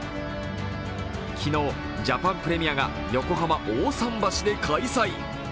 昨日、ジャパンプレミアが横浜・大さん橋で開催。